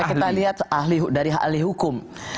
itu bisa kita lihat dari ahli hukum